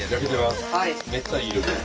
めっちゃいい色で。